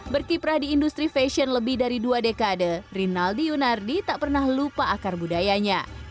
berkiprah di industri fashion lebih dari dua dekade rinaldi yunardi tak pernah lupa akar budayanya